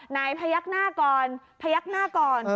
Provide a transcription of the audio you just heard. พยักหน้าก่อนพยักหน้าก่อน